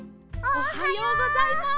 おはようございます。